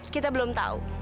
kita belum tahu